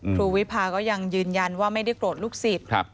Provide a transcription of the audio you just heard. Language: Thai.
วิพาก็ยังยืนยันว่าไม่ได้โกรธลูกศิษย์